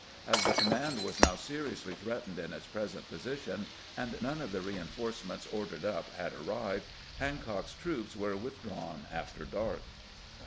As the command was now seriously threatened in its present position, and none of the reinforcements ordered up had arrived, Hancock's troops were withdrawn after dark.